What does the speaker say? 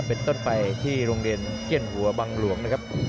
เป็นต้นไปที่โรงเรียนเกี้ยนหัวบังหลวงนะครับ